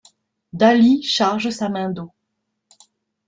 Dalí charge sa main d'eau.